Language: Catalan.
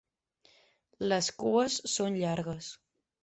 Les cues són llargues.